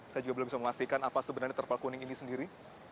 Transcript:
saya juga belum bisa memastikan apa sebenarnya terpal kuning ini sendiri